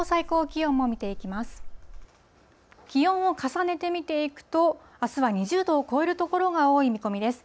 気温を重ねて見ていくと、あすは２０度を超える所が多い見込みです。